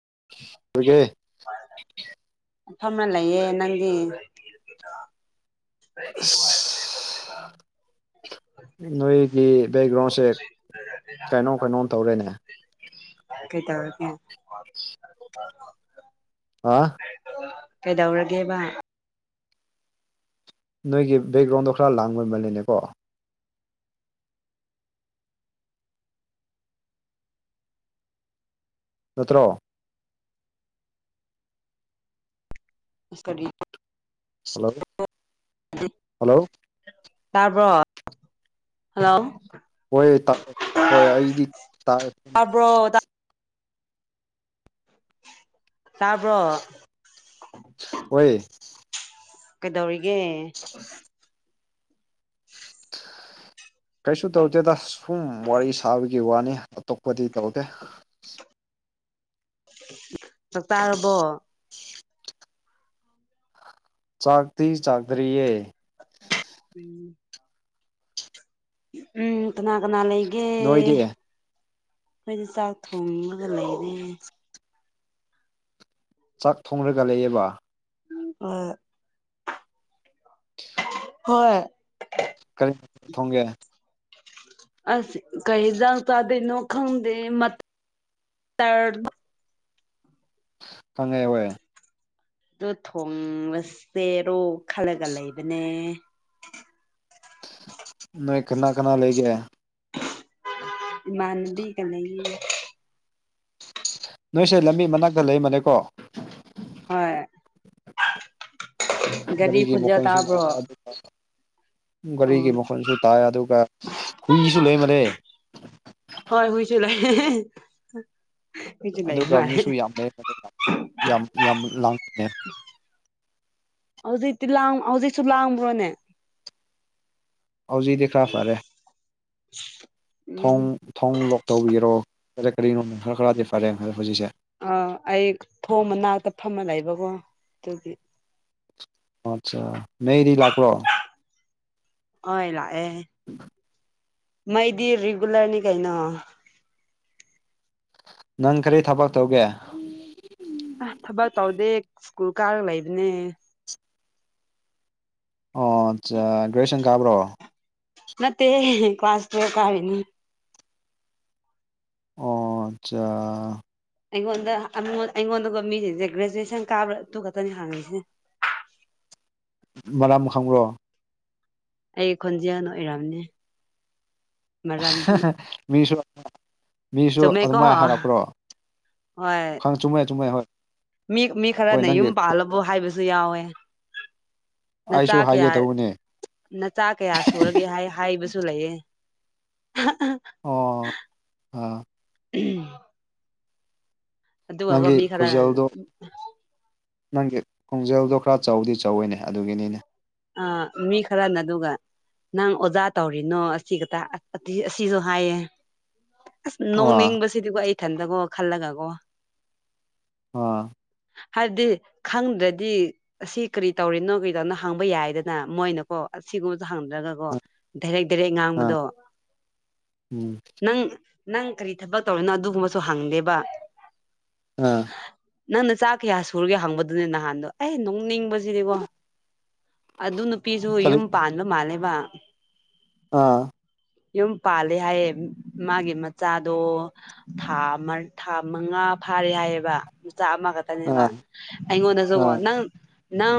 [unintelligible] ꯐꯝꯃ ꯂꯩꯌꯦ ꯅꯪꯗꯤ [unintelligible] ꯅꯣꯏꯒꯤ ꯕꯦꯛꯒ꯭ꯔꯥꯎꯟꯁꯦ ꯀꯩꯅꯣ ꯀꯩꯅꯣ ꯇꯧꯔꯦꯅꯦ ꯀꯩ ꯇꯧꯔꯒꯦ ꯑ ꯀꯩꯗꯧꯔꯒꯦꯕ ꯅꯣꯏꯒꯤ ꯕꯦꯛꯒ꯭ꯔꯥꯎꯟꯗꯣ ꯈꯔ ꯂꯥꯡꯕꯃꯜꯂꯤꯅꯦꯀꯣ ꯅꯇ꯭ꯔꯣ ꯏꯁ ꯀꯔꯤ ꯍꯂꯣ ꯍꯜꯂꯣ ꯇꯥꯔꯕ꯭ꯔꯣ ꯍꯜꯂꯣ ꯍꯣꯏ ꯇꯥꯏ ꯍꯣꯏ ꯑꯩꯗꯤ ꯇꯥꯏ ꯇꯥꯕ꯭ꯔꯣ ꯇꯥꯕ꯭ꯔꯣ ꯍꯣꯏꯌꯦ ꯀꯩꯗꯧꯔꯤꯒꯦ [unintelligible] ꯀꯔꯤꯁꯨ ꯇꯧꯗꯦꯗ ꯁꯨꯝ ꯋꯥꯔꯤ ꯁꯥꯕꯒꯤ ꯋꯥꯅꯤ ꯑꯇꯣꯞꯄꯗꯤ ꯇꯧꯗꯦ [unintelligible] ꯆꯥꯛꯇꯥꯥꯔꯕꯣ ꯆꯥꯛꯇꯤ ꯆꯥꯛꯇ꯭ꯔꯤꯌꯦ ꯎꯝ ꯀꯅꯥ ꯀꯅꯥ ꯂꯩꯒꯦ ꯅꯣꯏꯗꯤ ꯑꯩꯈꯣꯏꯗꯤ ꯆꯥꯛ ꯊꯣꯡꯉꯒ ꯂꯩꯔꯦ ꯆꯥꯛ ꯊꯣꯡꯡꯂꯒ ꯂꯩꯑꯕ ꯑ ꯍꯣꯏ ꯀꯔꯤ ꯊꯣꯡꯒꯦ ꯑꯁ ꯀꯩꯗ ꯇꯗꯅꯣ ꯈꯪꯗ ꯃ ꯇꯔ ꯐꯉꯥꯏ ꯑꯣꯏꯣꯏ ꯑꯗꯨ ꯊꯣꯉꯁ ꯆꯦꯔꯣ ꯈꯜꯂꯒ ꯂꯩꯕꯅꯦ ꯅ ꯀꯅꯥ ꯀꯅꯥ ꯂꯩꯒ ꯃꯅꯕꯤ ꯀꯒꯤ ꯅꯣꯏꯁꯦ ꯂꯝꯕꯤ ꯃꯅꯥꯛꯇ ꯂꯩꯔꯃꯅꯦꯀꯣ ꯍꯣꯏ ꯒꯥꯔꯤ ꯒꯥꯔꯒꯤ ꯃ ꯈꯣꯟꯖꯦꯜ ꯃꯈꯟꯁꯜꯔ ꯇꯥꯕ꯭ꯔꯣ ꯑꯗꯨ ꯑꯣ ꯒꯥꯔꯤꯒꯤ ꯃꯈꯣꯟꯁꯨ ꯇꯥꯏ ꯑꯗꯨꯒ ꯍꯨꯏꯁꯨ ꯂꯩꯃꯂꯦ ꯍ ꯍꯏ ꯆ ꯂꯩ ꯑꯩꯈꯣꯏꯁꯨ ꯂꯩ ꯑꯗꯨꯒ ꯃꯥꯜꯂꯦ ꯃꯤꯁꯨ ꯌꯥꯝ ꯂꯩ ꯌꯥꯝ ꯌꯥꯝ ꯂꯥꯡꯄꯅꯦ ꯍꯧꯖꯤꯛꯇꯤ ꯂꯥꯡ ꯍꯧꯖꯤꯛꯁꯨ ꯂꯥꯡꯕ꯭ꯔꯣꯅꯦ ꯍꯧꯖꯤꯗꯤ ꯈ꯭ꯔ ꯐꯔꯦ [unintelligible] ꯊꯣꯡ ꯊꯣꯡ ꯂꯣꯛ ꯇꯧꯕꯤꯒꯔꯣ ꯀꯔꯤ ꯀꯔꯤꯅꯣ ꯈꯔ ꯈꯔꯗꯤ ꯐꯔꯦ ꯍꯧꯖꯤꯛꯁꯦ ꯑꯥ ꯑꯩ ꯊꯣꯡꯕꯅꯥꯛꯇ ꯐꯝꯃ ꯂꯩꯕꯀꯣ ꯑꯗꯨꯗꯤ ꯑꯆꯥ ꯃꯗꯤ ꯂꯥꯛꯄꯂꯣ ꯑꯣꯏ ꯂꯥꯛꯑꯦ ꯃꯩꯗꯤ ꯔꯦꯒꯨꯂꯔꯅꯤ ꯀꯥꯏꯅ ꯅꯪ ꯀꯔꯤ ꯊꯕꯛ ꯇꯧꯒꯦ ꯀꯒꯨꯔ ꯀꯥꯔꯒ ꯂꯩꯕꯅꯦ ꯑꯣ ꯑ ꯒ꯭ꯔꯦꯖꯨꯌꯦꯁꯟ ꯀꯥꯕ꯭ꯔꯣ ꯅꯠꯇ ꯀ ꯋꯥꯁꯇ ꯀꯥꯅꯤ ꯑꯣ ꯑꯠꯆꯥ ꯑꯩꯉꯣꯟꯗꯣꯟ ꯑꯩꯉꯣꯟꯗꯒ ꯃꯤꯁꯤꯡꯁꯦ ꯒ꯭ꯔꯦꯖꯨꯌꯦꯦꯁꯟ ꯀꯥꯕ ꯑꯗꯨ ꯈꯛꯇꯅꯤ ꯍꯪꯉꯁꯦ [unintelligible] ꯃꯝ ꯈꯪꯕ꯭ꯔꯣ ꯑꯩ ꯈꯣꯟꯖꯦꯜ ꯑꯣꯏꯔꯝꯅꯦ ꯃꯤꯁꯨ ꯃꯤꯁꯨ ꯆꯨꯝꯃꯦꯀꯣ ꯑꯗꯨꯃꯥꯏꯅ ꯍꯥꯏꯔꯛꯄ꯭ꯔꯣ ꯍꯣꯏ ꯈꯪ ꯆꯨꯝꯃꯦ ꯆꯨꯝꯃꯦ ꯍꯣꯏ ꯃꯤ ꯃꯤ ꯍꯣꯏ ꯈꯔꯅ ꯅꯪꯒꯤ ꯌꯨꯝ ꯄꯥꯜꯂꯕꯣ ꯍꯥꯏꯕꯁꯨ ꯌꯥꯎꯋꯦ ꯑꯩꯁꯨ ꯅꯆꯥ ꯀꯌꯥ ꯍꯥꯏꯒꯦ ꯇꯧꯕꯅꯦ ꯅꯆꯥ ꯀꯌꯥ ꯁꯨꯔꯒꯦ ꯍꯥꯏꯕ ꯂꯩꯑꯦ ꯑꯣ ꯑ ꯑ ꯑꯗꯨꯒꯥꯎꯕ ꯅꯪꯒꯤ ꯃꯤ ꯈꯔ ꯈꯣꯟꯖꯦꯜꯗꯣ ꯅꯪꯒꯤ ꯈꯣꯡꯖꯦꯜꯗꯣ ꯈꯔ ꯆꯥꯎꯧꯗꯤ ꯆꯥꯎꯧꯋꯏꯅꯦ ꯑꯗꯨꯒꯤꯅꯤꯅꯦ ꯑ ꯃꯤ ꯈꯔꯅ ꯑꯗꯨꯒ ꯅꯪ ꯑꯣꯖꯥ ꯇꯧꯔꯤꯅꯣ ꯑꯁꯤꯒꯛꯇ ꯑꯁꯤꯁꯨ ꯍꯥꯏꯌꯦ ꯑꯁ ꯑꯥ ꯅꯣꯡꯅꯤꯡꯕꯁꯤꯗꯤꯀꯣ ꯑꯩ ꯏꯊꯟꯗꯀꯣ ꯈꯜꯂꯒꯀꯣ ꯑ ꯍꯥꯏꯕꯗꯤ ꯈꯪꯗ꯭ꯔꯗꯤ ꯑꯁꯤ ꯀꯔꯤ ꯇꯧꯔꯤꯅꯣ ꯀꯩꯗꯅ ꯍꯥꯡꯕ ꯌꯥꯏꯗꯅ ꯃꯣꯏꯅꯀꯣ ꯑꯁꯤꯒꯨꯝꯕꯁꯨ ꯍꯪꯗ꯭ꯔꯒꯀꯣ ꯗꯥꯏꯔꯦꯛ ꯇꯦꯔꯦ ꯑꯥ ꯉꯥꯡꯕꯗꯣ ꯎꯝ ꯅꯪ ꯅꯪ ꯀꯔꯤ ꯊꯕꯛ ꯇꯧꯔꯤꯅꯣ ꯑꯗꯨꯒꯨꯝꯕꯁꯨ ꯍꯪꯗꯦꯕ ꯑꯥ ꯅꯪꯅ ꯆꯥꯛ ꯀꯌꯥ ꯁꯨꯔꯒꯦ ꯍꯪꯕꯗꯨꯅꯦ ꯅꯍꯥꯟꯗꯣ ꯑꯩ ꯅꯣꯡꯅꯤꯡꯕꯁꯤꯅꯦꯕꯣ ꯑꯗꯨ ꯅꯨꯄꯤꯁꯨ ꯀꯔꯤ ꯌꯨꯝ ꯄꯥꯟꯕ ꯃꯥꯜꯂꯦꯕ ꯑꯥ ꯌꯨꯝ ꯄꯥꯂꯦ ꯍꯥꯏꯌꯦ ꯃꯥꯒꯤ ꯃꯆꯥꯗꯣ ꯊꯥ ꯊꯥ ꯃꯉꯥ ꯐꯥꯔꯦ ꯍꯥꯏꯌꯦꯕ ꯆꯥ ꯑꯃ ꯈꯛꯇꯅꯦꯕ ꯑꯥ ꯑꯩꯉꯣꯟꯗꯁꯨꯀꯣ ꯑꯥ ꯅꯪ ꯅꯪ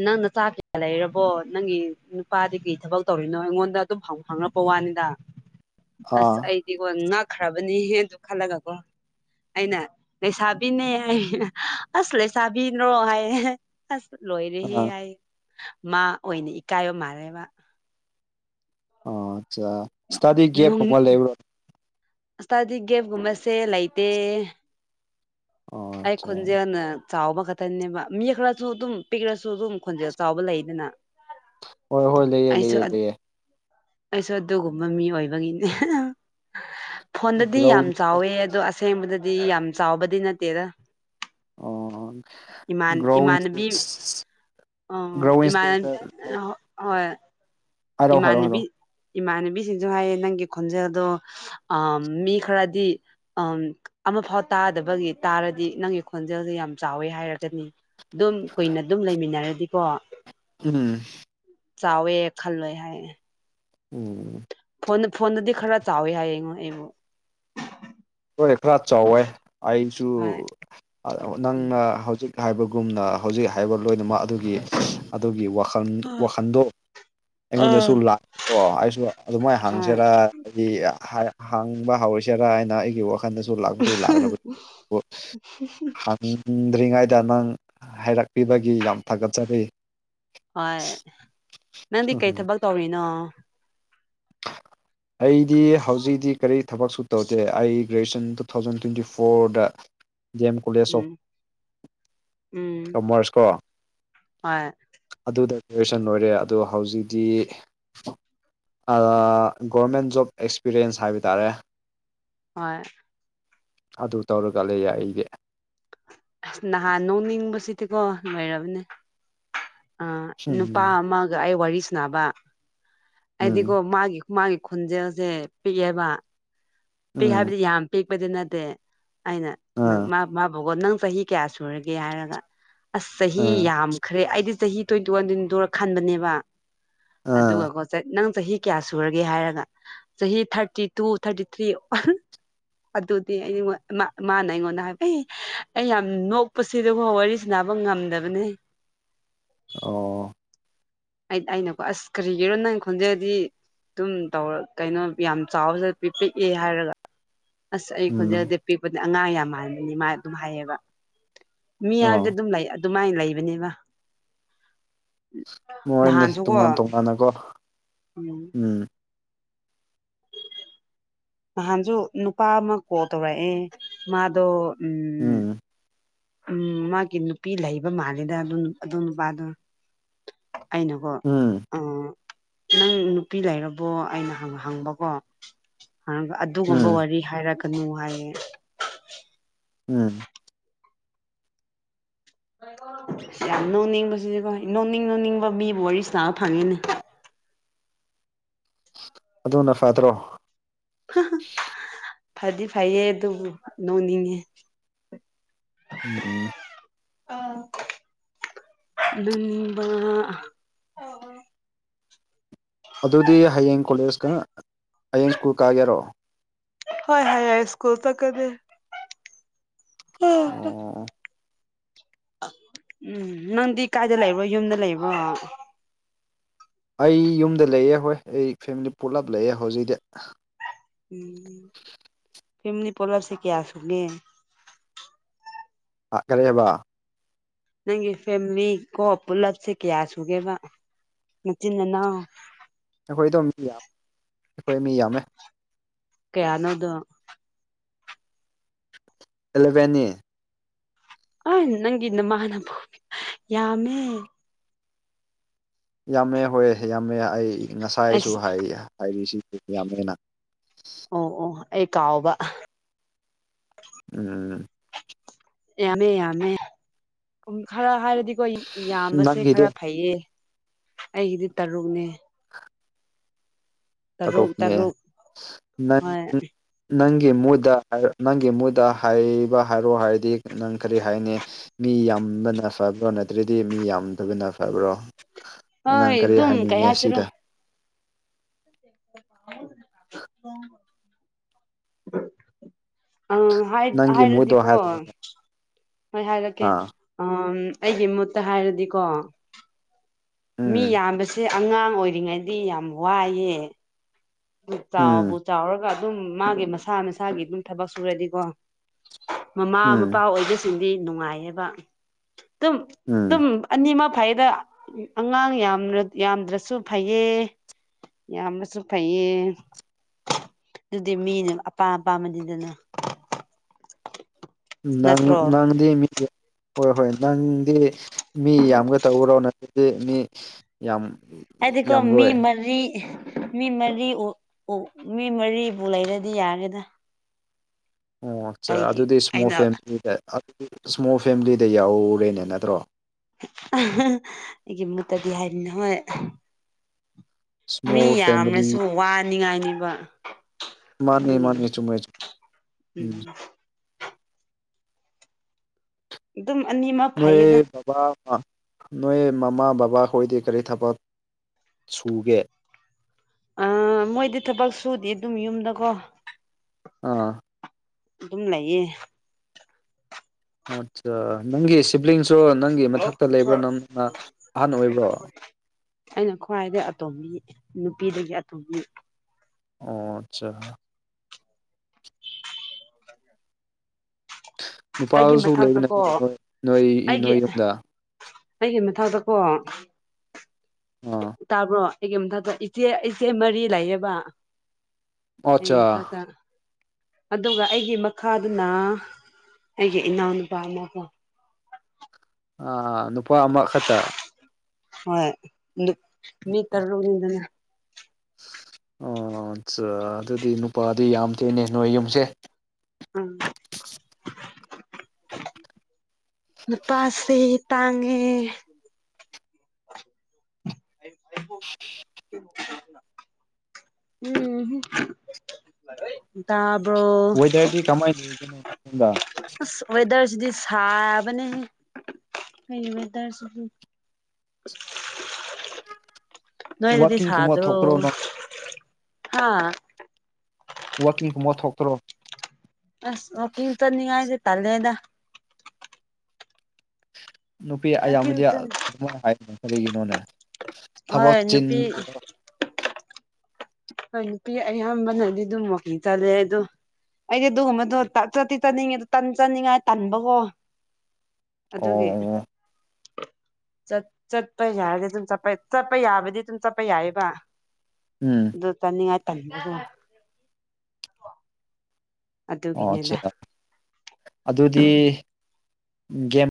ꯅꯪ ꯅꯆꯥ ꯀꯌꯥ ꯂꯩꯔꯕꯣ ꯅꯪꯒꯤ ꯅꯨꯄꯥꯗꯤ ꯀꯩ ꯊꯕꯛ ꯇꯧꯔꯤꯅꯣ ꯑꯩꯉꯣꯟꯗ ꯑꯗꯨꯝ ꯍꯪꯉꯛꯄ ꯋꯥ ꯕꯥꯅꯤꯗ ꯑꯥ ꯑꯁ ꯑꯩꯗꯤꯀꯣ ꯉꯛꯈ꯭ꯔꯕꯅꯤꯍꯦꯗꯨ ꯈꯜꯂꯒ ꯀꯣ ꯑꯩꯅ ꯂꯩꯁꯥꯕꯤꯅꯦ ꯍꯥꯏ ꯑꯁ ꯂꯩꯁꯥꯕꯤꯅ꯭ꯔꯣ ꯍꯥꯏ ꯑꯁ ꯂ ꯔꯦꯍꯦ ꯑꯥ ꯍꯥꯏ ꯃꯥ ꯑꯣꯏꯅ ꯏꯀꯥꯏꯕ ꯃꯥꯜꯂꯦꯕ ꯑꯣ ꯑꯆꯥ ꯁꯇꯥꯗꯤꯒꯦꯞꯣ ꯑ ꯇꯗꯤꯒꯦꯕ ꯨꯃꯁꯦ ꯂꯩꯥꯏꯇ ꯑꯣ ꯑꯥꯏ ꯑꯠꯆꯥ ꯈꯣꯟꯖꯦꯅ ꯆꯥꯎꯕ ꯈꯛꯇꯅꯦꯕ ꯌꯦꯛꯈ꯭ꯔꯁꯨ ꯑꯗꯨꯝ ꯄꯤꯛꯂꯁꯨ ꯑꯗꯨꯝ ꯈꯣꯟꯖꯦꯜ ꯆꯥꯎꯕ ꯂꯩꯗꯅ ꯍꯣꯏ ꯍꯣꯏ ꯂꯩꯑ ꯑꯩꯁꯨ ꯂꯩꯑ ꯂꯩꯑ ꯑꯩꯁꯨ ꯑꯗꯨꯒꯨꯝꯕ ꯃꯤ ꯑꯣꯏꯕꯒꯤꯅꯦ ꯐꯣꯟꯗꯗꯤ ꯌꯥꯝ ꯒ꯭ꯔꯥꯎꯟ ꯆꯥꯎꯋꯦ ꯑꯗꯣ ꯑꯁꯦꯡꯕꯗꯗꯤ ꯌꯥꯝ ꯆꯥꯎꯕꯗꯤ ꯅꯠꯇꯦꯔ ꯑꯣ ꯏꯃꯥꯟ ꯒ꯭ꯔꯣꯋꯤꯡ ꯏꯃꯥꯟꯕꯤ ꯑꯣ ꯒ꯭ꯔꯣꯋꯤꯡ ꯏꯃ ꯍꯣꯏ ꯍꯔꯣ ꯍꯥꯏꯔꯣ ꯍꯥꯏꯔꯣ ꯏꯃꯥꯟꯅꯕꯤ ꯏꯃꯥꯟꯅꯕꯤꯁꯤꯡꯁꯨ ꯍꯥꯏꯌꯦ ꯅꯪꯒꯤ ꯈꯣꯟꯖꯦꯜꯗꯣ ꯃꯤ ꯈꯔꯗꯤ ꯑ ꯑꯃꯐꯥꯎ ꯇꯥꯗꯕꯒꯤ ꯇꯥꯔꯗꯤ ꯅꯪꯒꯤ ꯈꯣꯟꯖꯦꯜꯁꯦ ꯌꯥꯝ ꯆꯥꯎꯋꯦ ꯍꯥꯏꯔꯒꯅꯤ ꯑꯗꯨꯝ ꯀꯨꯏꯅ ꯑꯗꯨꯝ ꯂꯩꯃꯤꯟꯅꯔꯗꯤꯀꯣ ꯎꯝ ꯐꯜꯂꯣꯏ ꯍꯥꯏ ꯎꯝ ꯐꯣꯟ ꯐꯣꯟꯗꯗꯤ ꯈꯔ ꯆꯥꯎꯋꯤ ꯍꯥꯏꯌꯦꯉꯣ ꯑꯩꯕꯨ ꯍꯔꯦ ꯈꯔ ꯆꯥꯎꯋꯦ ꯑꯩꯁꯨ ꯍꯣꯏ ꯅꯪꯅ ꯍꯧꯖꯤꯛ ꯍꯥꯏꯕꯒꯨꯝꯅ ꯍꯧꯖꯤꯛ ꯍꯥꯏꯕ ꯂꯣꯏꯅꯃꯛ ꯑꯗꯨꯒꯤ ꯑꯗꯨꯒꯤ ꯋꯥꯈꯜ ꯋꯥꯈꯜꯗꯣ ꯑꯩꯉꯣꯟꯗꯁꯨ ꯂꯥꯛꯑꯀꯣ ꯑꯩꯁꯨ ꯑꯗꯨꯃꯥꯏꯅ ꯎꯝ ꯍꯪꯁꯤꯦꯔ ꯍꯥꯏꯗꯤ ꯍꯥꯡꯕ ꯍꯧꯁꯤꯔꯥ ꯍꯥꯏꯅ ꯑꯩꯒꯤ ꯋꯥꯈꯜ ꯟꯗꯁꯨ ꯂ ꯂꯥꯛꯕꯅꯤ ꯍꯥ ꯍꯤꯡꯗ꯭ꯔꯤꯉꯩꯗ ꯅꯪ ꯍꯥꯏꯔꯛꯄꯤꯕꯒꯤ ꯌꯥꯝ ꯊꯥꯒꯠꯆꯕꯤ ꯍꯣꯏ ꯅꯪꯗꯤ ꯀꯩ ꯊꯕꯛ ꯇꯧꯔꯤꯅꯣ ꯑꯩꯗꯤ ꯍꯧꯖꯤꯛꯇꯤ ꯀꯔꯤ ꯊꯕꯛꯁꯨ ꯇꯧꯗꯦ ꯑꯩ ꯒ꯭ꯔꯦꯖꯨꯌꯦꯁꯟ ꯇꯨ ꯊꯥꯎꯖꯟ ꯇ꯭ꯋꯦꯟꯇꯤ ꯐꯣꯔꯗ D M college of um commerce ꯀꯣ ꯑ ꯑꯗꯨꯗ ꯒ꯭ꯔꯦꯖꯦꯁꯟ ꯑꯣꯏꯔꯦ ꯑꯗꯣ ꯍꯧꯖꯤꯛꯇꯤ ꯒꯣꯔꯃꯦꯟ ꯖꯣꯕ ꯑꯦꯛꯁꯄꯤꯔꯤꯌꯦꯟꯁ ꯍꯥꯏꯕ ꯇꯥꯔꯦ ꯍꯣꯏ ꯑꯗꯨ ꯇꯧꯔꯒ ꯂꯩꯌꯦ ꯑꯩꯒꯤ ꯑꯁ ꯅꯍꯥꯟ ꯅꯣꯛꯅꯤꯡꯕꯁꯤꯗꯤꯀꯣ ꯂꯣꯏꯔꯕꯅꯦ ꯑ ꯅꯨꯄꯥ ꯎꯝ ꯑꯃꯒ ꯑꯩ ꯋꯥꯔꯤ ꯁꯅꯕ ꯎꯝ ꯍꯥꯏꯗꯤꯀꯣ ꯃꯥꯒꯤ ꯃꯥꯒꯤ ꯈꯨꯣꯟꯖꯦꯜꯁꯦ ꯄꯤꯛꯑꯦꯕ ꯄꯤꯛ ꯎꯝ ꯍꯥꯏꯕꯗꯤ ꯌꯥꯝ ꯄꯤꯛꯄꯗꯤ ꯅꯠꯇꯦ ꯑꯩꯅ ꯅ ꯑꯥ ꯃꯥ ꯃꯥꯕꯒꯣ ꯅꯪ ꯆꯍꯤ ꯀꯌꯥ ꯁꯨꯔꯒꯦ ꯍꯥꯏꯔꯒ ꯑꯁ ꯆꯍꯤ ꯑꯥ ꯌꯥꯝꯈ꯭ꯔꯦ ꯑꯩꯗꯤ ꯆꯍꯤ ꯇ꯭ꯋꯦꯟꯇꯤ ꯋꯥꯟ ꯇꯗꯣꯔ ꯈꯟꯕꯅꯦꯕ ꯑꯥ ꯑꯗꯨꯒꯀꯣꯦ ꯅꯪ ꯆꯍꯤ ꯀꯌꯥ ꯁꯨꯔꯒꯦ ꯍꯥꯏꯔꯒ ꯆꯍꯤ ꯊꯥꯔꯇꯤ ꯇꯨ ꯊꯥꯔꯇꯤ ꯊ꯭ꯔꯤ ꯑꯗꯨꯗꯤ ꯑꯩꯉ ꯃꯥꯅ ꯑꯩꯉꯣꯟꯗ ꯍꯥꯏꯕꯩ ꯑꯩ ꯌꯥꯝ ꯅꯣꯛꯄꯁꯤ ꯑꯗꯨꯒ ꯋꯥꯔꯤꯁꯤ ꯐ ꯉꯝꯗꯕꯅꯤ ꯑꯣ ꯑꯩ ꯑꯩꯅꯀꯣ ꯑꯁ ꯀꯔꯤꯒꯤꯅꯣ ꯅꯪ ꯈꯣꯟꯖꯩꯗꯤ ꯑꯗꯨꯝ ꯇꯧꯔ ꯀꯩꯅꯣ ꯌꯥꯝ ꯆꯥꯎꯕꯁꯨ ꯄꯤ ꯄꯛꯑꯦ ꯍꯥꯏꯔꯒ ꯑꯁ ꯑꯩ ꯎꯝ ꯈꯣꯟꯖꯦꯜꯗꯤ ꯄꯤꯛꯄꯅꯦ ꯑꯉꯥꯡ ꯌꯥꯝ ꯃꯥꯟꯕꯅꯤ ꯃꯥ ꯑꯗꯨꯝ ꯍꯥꯏꯌꯦꯕ ꯃꯤ ꯍꯥꯏꯕꯗꯤ ꯑꯣ ꯑꯗꯨꯝ ꯂꯩ ꯑꯗꯨꯃꯥꯏꯅ ꯂꯩꯕꯅꯦꯕ ꯃꯣꯏꯅꯤ ꯅꯍꯥꯟꯁꯨꯒ ꯇꯣꯉꯥꯟ ꯇꯣꯉꯥꯟꯅꯀꯣ ꯎꯝ ꯅꯍꯥꯟꯁꯨ ꯅꯨꯄꯥ ꯑꯃ ꯀꯣꯜ ꯇꯧꯔꯛꯑꯦ ꯃꯥꯗꯣ ꯎꯝ ꯎꯝ ꯃꯥꯒꯤ ꯅꯨꯄꯤ ꯂꯩꯕ ꯃꯥꯜꯜꯂꯤꯦꯗ ꯑꯗꯣ ꯅꯨꯄꯥꯗꯣ ꯑꯩꯅꯀꯣ ꯎꯝ ꯑ ꯅꯪ ꯅꯨꯄꯤ ꯂꯩꯔꯕꯣ ꯑꯩꯅ ꯍꯪꯕꯀꯣ ꯑꯗꯨꯒꯨꯝꯕ ꯎꯝ ꯋꯥꯔꯤ ꯍꯥꯏꯔꯛꯀꯅꯨ ꯍꯥꯏꯌꯦ ꯎꯝ ꯌꯥꯝ ꯅꯧꯅꯤꯡꯕꯁꯤꯗꯤꯀꯣ ꯅꯣꯡꯅꯤꯡ ꯅꯣꯡꯅꯤꯡꯕ ꯃꯤꯕꯨ ꯋꯥꯔꯤ ꯁꯥꯕ ꯐꯪꯉꯤꯅꯦ [inaudible] ꯑꯗꯨꯅ ꯐꯗ꯭ꯔꯣ ꯐꯗꯤ ꯐꯌꯦ ꯑꯗꯨ ꯅꯣꯡꯅꯤꯡꯦ ꯎꯝ ꯑ ꯅꯝꯕ ꯑꯗꯨꯗꯤ ꯍꯌꯦꯡ ꯀꯣꯂꯦꯖꯀ ꯍꯌꯦꯡ ꯁ꯭ꯀꯨꯜ ꯀꯥꯒꯦꯔꯣ ꯍ ꯍ ꯍꯥꯏ ꯁꯀꯨꯜ ꯇ ꯀꯗ ꯑꯣ ꯎꯝ ꯅꯪꯗꯤ ꯀꯥꯏꯗ ꯂꯩꯕꯣ ꯌꯨꯝꯗ ꯂꯩꯕ꯭ꯔꯣ ꯑꯩ ꯌꯨꯝꯗ ꯂꯩꯑꯦ ꯍꯣꯏ ꯑꯩ ꯐꯦꯃꯤꯂꯤ ꯄꯨꯂꯞ ꯂꯩꯑꯦ ꯍꯧꯖꯤꯛꯗꯤ ꯎꯝ ꯐꯅꯤ ꯄꯣꯂꯔꯁꯤ ꯀꯌꯥꯁꯨ ꯃ ꯑ ꯀꯔꯦꯕ ꯅꯪꯒꯤ ꯐꯦꯃꯤꯂꯤ ꯀꯣ ꯄꯨꯂꯞꯁꯦ ꯀꯌꯥ ꯁꯨꯒꯦꯕ ꯅꯆꯤꯟꯗꯅꯥ ꯑꯩꯈꯣꯏꯗꯣ ꯃꯤ ꯌꯥꯝ ꯑꯩꯈꯣꯏ ꯃꯤ ꯌꯥꯝꯃꯦ ꯀꯌꯥꯅꯣꯗꯣ ꯑꯦꯂꯚꯦꯟ ꯑ ꯅꯪꯅ ꯃꯥꯅꯚꯨꯃꯤ ꯌꯥꯃꯦ ꯌꯥꯝꯃꯦ ꯍꯣꯏ ꯌꯥꯝꯃꯦ ꯑꯩ ꯉꯁꯥꯏꯁꯨ ꯑꯁ ꯍꯥꯏꯔꯤꯁꯤꯁꯨ ꯌꯥꯝꯃꯦꯅ ꯑꯣ ꯑꯣ ꯑꯩ ꯀꯥꯎꯕ ꯎꯝ ꯌꯥꯝꯃꯦ ꯌꯥꯃꯦ ꯈꯔ ꯍꯥꯏꯔ ꯑꯗꯨꯗꯤꯀꯣ ꯌꯥꯝꯕꯁꯦ ꯅꯪꯒꯤꯗꯤ ꯈꯔ ꯐꯩꯌꯦ ꯑꯩꯒꯤꯗꯤ ꯇꯔꯨꯛꯅꯦ ꯇꯔꯨꯛ ꯇꯣꯅꯦꯪ ꯇꯔꯨꯛ ꯅꯪ ꯍꯣꯏ ꯅꯪꯒꯤ ꯃꯨꯗ ꯅꯪꯒꯤ ꯃꯨꯗ ꯍꯥꯏꯕ ꯍꯥꯏꯔꯣ ꯍꯥꯏꯔꯗꯤ ꯅꯪ ꯀꯔꯤ ꯍꯥꯏꯅꯤ ꯃꯤ ꯌꯥꯝ ꯊꯕꯅ ꯐꯕ꯭ꯔꯣ ꯅꯠꯇ꯭ꯔꯗꯤ ꯃꯤ ꯌꯥꯝꯗꯕꯅ ꯐꯕ꯭ꯔꯣ ꯅꯉꯥꯡ ꯍꯣꯏ ꯀꯔꯤ ꯑꯗꯨꯝ ꯀꯩ ꯍꯥꯏꯅꯤꯡꯉꯦ ꯍꯥꯏꯁꯤꯔꯣ ꯑꯁꯤꯗ [unintelligible] ꯑ ꯅꯪꯒꯤ ꯃꯨꯗꯣ ꯍꯥꯏꯔꯗꯤꯀꯣ ꯍꯥꯏꯔ ꯍꯣꯏ ꯍꯥꯏꯔꯛꯀꯦ ꯑꯥ ꯎ ꯑꯩꯒꯤ ꯃꯨꯠꯇ ꯍꯥꯏꯔꯗꯤꯀꯣ ꯃꯤ ꯎꯝ ꯌꯥꯝꯕꯁꯦ ꯑꯉꯥꯡ ꯑꯣꯏꯔꯤꯉꯩꯗꯤ ꯌꯥꯝ ꯋꯥꯏꯑꯦ ꯆꯥꯎꯕꯨ ꯎꯝ ꯆꯥꯎꯔꯒ ꯑꯗꯨꯝ ꯃꯥꯒꯤ ꯃꯁꯥ ꯃꯁꯥꯒꯤ ꯑꯗꯨꯝ ꯊꯕꯛ ꯁꯨꯔꯗꯤꯀꯣ ꯃꯃꯥ ꯃꯄꯥ ꯎꯝ ꯑꯣꯏꯕꯁꯤꯡꯗꯤ ꯅꯨꯡꯉꯥꯏꯌꯦꯕ ꯑꯗꯨꯝ ꯎꯝ ꯑꯗꯨꯝ ꯑꯅꯤꯃꯛ ꯐꯩꯗ ꯑꯉꯥꯡ ꯌꯥꯝ ꯌꯥꯝꯗ꯭ꯔꯁꯨ ꯐꯩꯌꯦ ꯌꯥꯝꯅꯁꯨꯩ ꯀꯩꯌꯦ ꯑꯗꯨꯗꯤ ꯃꯤꯅꯦ ꯑꯄꯥꯝ ꯑꯄꯥꯝꯕꯅꯤꯗꯅ ꯅꯪ ꯅꯠꯇ꯭ꯔꯣ ꯅꯪꯗ ꯃꯤ ꯍꯣꯏ ꯍꯣꯏ ꯅꯪꯗꯤ ꯃꯤ ꯌꯥꯝꯒ ꯇꯎꯔꯣ ꯅꯪꯗꯤ ꯃꯤ ꯌꯥꯝ ꯑꯗꯨꯒꯀꯣ ꯃꯤ ꯌꯥꯝꯔꯣꯏ ꯃꯔꯤ ꯃꯤ ꯃꯔꯤ ꯃꯤ ꯃꯔꯤꯕꯨ ꯂꯩꯔꯗꯤ ꯌꯥꯔꯦꯗ ꯑꯣ ꯑꯩꯒꯤ ꯑꯗꯨꯗꯤ ꯏꯁꯃꯣꯜ ꯑꯩꯅ ꯐꯦꯃꯤꯂꯤꯗ ꯏꯁꯃꯣꯜ ꯐꯦꯃꯤꯂꯤꯗ ꯌꯥꯎꯔꯦꯅꯦ ꯅꯠꯇ꯭ꯔꯣ ꯇꯗꯤ ꯍꯥꯏꯗꯤꯅ ꯍꯣꯏ ꯃꯤ ꯏꯁꯃꯣꯜ ꯌꯥꯝꯅꯁꯨ ꯐꯦꯃꯤꯂꯤ ꯋꯥꯅꯤꯡꯉꯥꯏꯅꯤꯕ ꯃꯥꯅꯤ ꯃꯥꯅꯤ ꯆꯨꯝꯃꯦꯦꯝ ꯎꯝ ꯑꯗꯨꯝ ꯑꯅꯤꯃꯛ ꯐꯩꯌꯦꯗ ꯅꯣꯏꯕꯥ ꯅꯣꯏ ꯃꯃꯥ ꯕꯥ ꯍꯣꯏꯗꯤ ꯀꯔꯤ ꯊꯄꯠ ꯁꯨꯒꯦ ꯑ ꯃꯣꯏꯗꯤ ꯊꯕꯛ ꯁꯨꯗꯦ ꯑꯗꯨꯝ ꯌꯨꯝꯗꯀꯣ ꯑꯥ ꯑꯗꯨꯝ ꯂꯩꯌꯦ ꯑꯆꯥ ꯅꯪꯒꯤ ꯁꯤꯞꯂꯤꯡꯁ ꯆ꯭ꯔꯣ ꯅꯪꯒꯤ ꯃꯊꯛꯇ ꯂꯩꯕ꯭ꯔꯣ ꯅꯪꯅ ꯑꯍꯟ ꯑꯣꯏꯕ꯭ꯔꯣ ꯑꯩꯅ ꯈ꯭ꯋꯥꯏꯗꯒꯤꯩ ꯑꯇꯣꯝꯕꯤ ꯅꯨꯄꯤꯗꯒꯤ ꯑꯇꯣꯝꯕꯤ ꯑꯣ ꯑꯆꯥ ꯑꯩꯒꯤ ꯅꯨꯄꯥꯁꯨ ꯂꯩꯕ ꯃꯊꯛꯇꯀꯣ ꯅꯠꯇ꯭ꯔꯣ ꯅꯣꯏ ꯅꯣꯏ ꯑꯩꯒꯤ ꯅꯣꯏ ꯌꯨꯝꯗ ꯑꯩꯒꯤ ꯃꯊꯛꯛꯇꯣ ꯑꯣꯣ ꯑꯥ ꯇꯥꯕ꯭ꯔꯣ ꯑꯩꯒꯤ ꯃꯊꯛꯇ ꯏꯆꯦ ꯏꯆꯦ ꯃꯔꯤ ꯂꯩꯌꯦꯕ ꯑꯩꯒꯤ ꯑꯠꯆꯥ ꯃꯊꯛꯇ ꯑꯗꯨꯒ ꯑꯩꯒꯤ ꯃꯈꯥꯗꯨꯅ ꯑꯩꯒꯤꯦ ꯏꯅꯥꯅꯄꯥꯃ ꯍꯣ ꯑ ꯅꯨꯄꯥ ꯑꯃ ꯈꯛꯇ ꯍꯣꯏ ꯃꯤ ꯇꯔꯔꯨꯅꯤꯗꯅ ꯑ ꯑꯠꯆꯥ ꯑꯗꯨꯗꯤ ꯅꯨꯄꯥꯗꯤ ꯌꯥꯝ ꯊꯦꯅꯦ ꯅꯣꯏ ꯌ ꯌꯨꯝꯁꯦ ꯎꯝ ꯄꯁꯤꯦ ꯇꯥꯉꯦ ꯎꯝ ꯑꯣꯏꯇꯥꯔꯗꯤ ꯀꯃꯥꯏꯅ ꯂꯩꯧꯅꯣ ꯑ ꯋꯦꯗꯔꯁꯗꯤ ꯁꯥꯥꯕꯅꯦ ꯑꯩꯃꯤ ꯏꯗꯔꯁꯤ ꯅꯣꯏꯣꯏ ꯑꯗꯨꯗꯤ ꯋꯥꯛꯀꯤꯡꯒꯨꯝꯕ ꯁꯥꯗ꯭ꯔꯣ ꯊꯣꯛꯇ꯭ꯔꯣ ꯅꯪ ꯍꯥꯥ ꯋꯥꯀꯤꯡ ꯃꯠ ꯍꯣꯛꯇꯔꯣ ꯑꯁ ꯋꯥꯀꯤꯝꯇꯅꯤꯡꯉꯥꯏꯁꯦ ꯇꯂꯦꯗ ꯅꯨꯄꯤ ꯑꯌꯥꯝꯕꯗꯤ ꯑꯗꯨꯃꯥꯏꯅ ꯍꯥꯏꯔꯤꯅ ꯀꯔꯤꯒꯤꯅꯣꯅꯦ ꯊꯕꯛ ꯍꯣꯏ ꯆꯤꯟ ꯅꯨꯄꯤ ꯍꯣꯏ ꯅꯨꯄꯤ ꯑꯌꯥꯝꯕꯅꯗꯤ ꯑꯗꯨꯝ ꯃꯀꯤꯤ ꯆꯠꯂꯦ ꯑꯗꯣ ꯑꯩꯗꯤ ꯑꯗꯨꯒꯨꯝꯕꯗꯣ ꯆꯠꯇꯤ ꯆꯠꯅꯤꯡꯉꯦꯗ ꯇꯟ ꯆꯥꯅꯤꯡꯉꯥꯏ ꯇꯟꯕꯀꯣ ꯑꯣ ꯑꯗꯨꯒꯤ ꯑꯣ ꯆꯠꯄ ꯌꯥꯔꯗꯤ ꯑꯗꯨꯝ ꯆꯠꯄ ꯆꯠꯄ ꯌꯥꯕꯗꯤ ꯑꯗꯨꯝ ꯆꯠꯄ ꯌꯥꯏꯕ ꯎꯝ ꯑꯗꯨ ꯇꯅꯤ ꯍꯥꯏꯥꯏ ꯇꯅꯤ ꯑꯗꯨ ꯑꯣ ꯑꯗꯨꯒꯤꯅꯦꯗ ꯑꯆꯥ ꯑꯗꯨꯗꯤ ꯒꯦꯝ